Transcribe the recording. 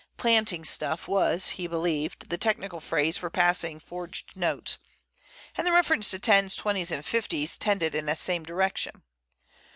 "Planting stuff" was, he believed, the technical phrase for passing forged notes, and the reference to "tens," "twenties," and "fifties," tended in the same direction.